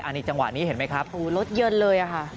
อันนี้จังหวะนี้เห็นไหมครับโอ้โหรถเยินเลยอะค่ะ